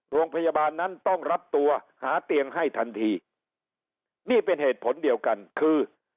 โรงพยาบาลนั้นต้องรับตัวหาเตียงให้ทันทีนี่เป็นเหตุผลเดียวกันคือ